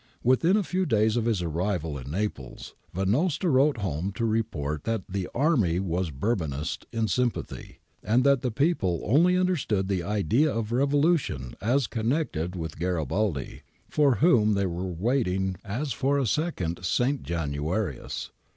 ^ Within a few days of his arrival in Naples, Venosta wrote home to report that the army was Bour bonist in sympathy, and that the people only understood the idea of revolution as connected with Garibaldi, for whom they were waiting as for a second St. Januarius."